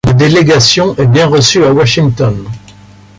La délégation est bien reçue à Washington.